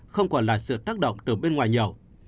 không còn là sự tác động từ bên ngoài nhậu